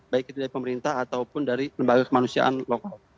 baik itu dari pemerintah ataupun dari lembaga kemanusiaan lokal